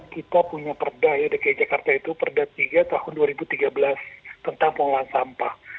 kita punya perda ya dki jakarta itu perda tiga tahun dua ribu tiga belas tentang pengelolaan sampah